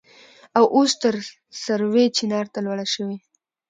او اوس تر سروې چينار ته لوړه شوې.